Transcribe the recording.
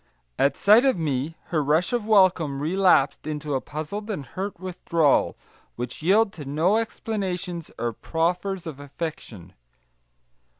At sight of me, her rush of welcome relapsed into a puzzled and hurt withdrawal, which yielded to no explanations or proffers of affection.